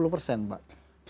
dua puluh persen pak